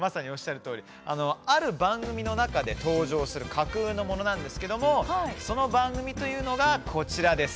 ある番組の中で登場する架空のものなんですがその番組というのがこちらです。